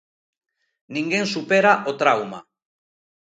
Ninguén supera o trauma.